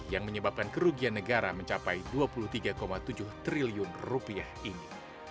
yang menyebabkan kerugian negara mencapai dua puluh tiga tujuh triliun rupiah ini